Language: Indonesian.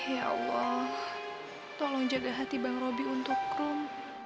ya allah tolong jaga hati bang robby untuk rum